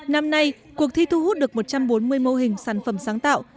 năm nay cuộc thi thu hút được một trăm bốn mươi mô hình sản phẩm sáng tạo